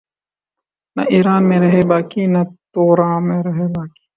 نہ ایراں میں رہے باقی نہ توراں میں رہے باقی